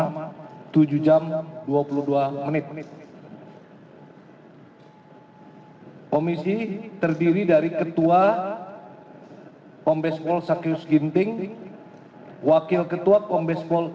hai komisi terdiri dari ketua pembespol sakyus ginting wakil ketua pembespol